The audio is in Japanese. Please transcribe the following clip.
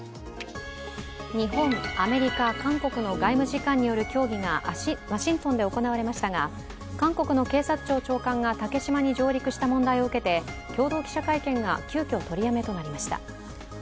日本、アメリカ、韓国の外務次官による協議がワシントンで行われましたが、韓国の警察庁長官が竹島に上陸した問題を受けて共同記者会見が急きょ、取りやめとなりました。